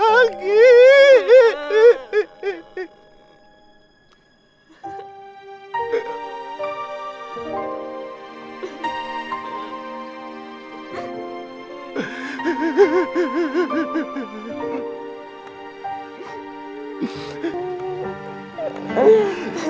abah mau pensiun men